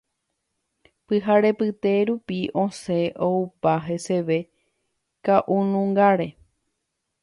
Pyharepyte rupi osẽ oupa heseve ka'unungáre.